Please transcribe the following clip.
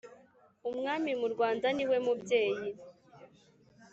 Umwami mu Rwanda ni we mubyeyi